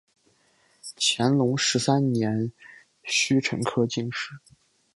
乾隆十三年戊辰科进士。